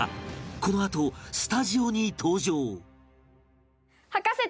このあとスタジオに登場